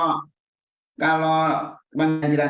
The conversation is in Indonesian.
kalau pemakaman jenazah itu tidak ada masalah